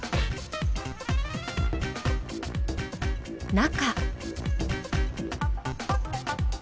中。